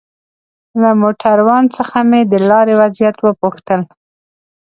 له موټروان څخه مې د لارې وضعيت وپوښتل.